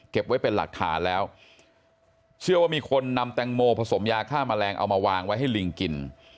ไว้เป็นหลักฐานแล้วเชื่อว่ามีคนนำแตงโมผสมยาฆ่าแมลงเอามาวางไว้ให้ลิงกิน